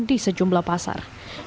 di sejumlah pasar